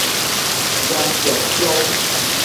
尖石鄉